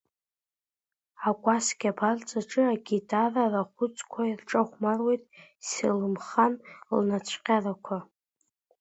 Акәасқьа абарҵаҿы агитара арахәыцқәа ирҿахәмаруеит Селымхан лнацәкьарақәа.